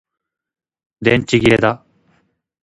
電池切れだ